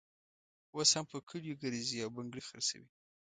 اوس هم په کلیو ګرزي او بنګړي خرڅوي.